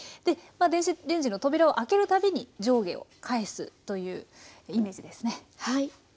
電子レンジの扉を開けるたびに上下を返すというイメージですね。